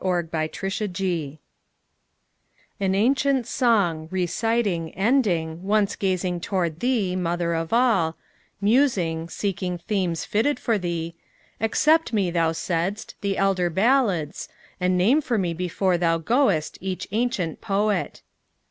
Old Chants An ancient song, reciting, ending, Once gazing toward thee, Mother of All, Musing, seeking themes fitted for thee, Accept me, thou saidst, the elder ballads, And name for me before thou goest each ancient poet.